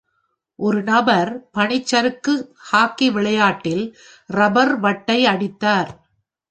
ஒரு நபர் பனிச்சறுக்கு ஹாக்கி விளையாட்டில் ரப்பர் வட்டை அடித்தார்.